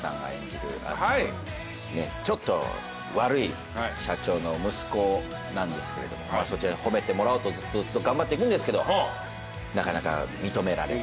ちょっと悪い社長の息子なんですけれどもそちらに褒めてもらおうとずっと頑張っていくんですけどなかなか認められず。